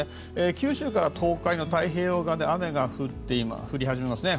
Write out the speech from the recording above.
九州から東海の太平洋側で雨が降り始めますね。